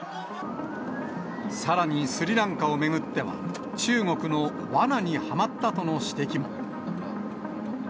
さらにスリランカを巡っては、中国のわなにはまったとの指摘も。